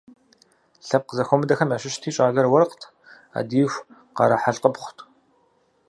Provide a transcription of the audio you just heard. Лъэпкъ зэхуэмыдэхэм ящыщти – щӏалэр уэркът, ӏэдииху къарэхьэлкъыпхъут.